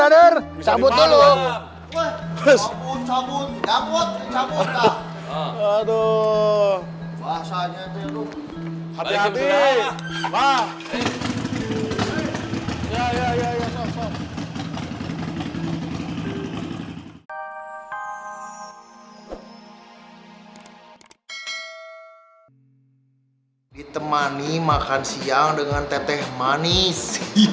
terima kasih makan siang dengan teteh manis